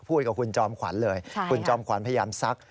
พูดกับคุณจอมขวัญเลยคุณจอมขวัญพยายามซัก